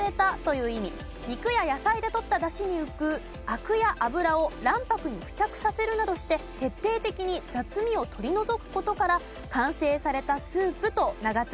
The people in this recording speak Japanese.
肉や野菜でとった出汁に浮くアクや脂を卵白に付着させるなどして徹底的に雑味を取り除く事から「完成されたスープ」と名が付いたそうです。